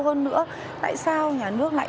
hơn nữa tại sao nhà nước lại